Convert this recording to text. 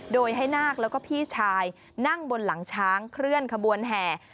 โดยให้นาคแล้วก็พี่ชายนั่งบนหลังช้างเคลื่อนขบวนแห่